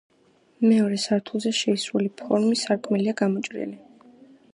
მეორე სართულზე შეისრული ფორმის სარკმელია გამოჭრილი.